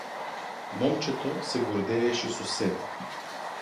Момчето се гордееше со себе.